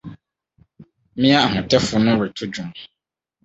Mmea ahotefo no reto dwom.